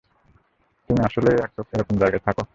তুমি আসলেই এরকম জায়গায় থাকো?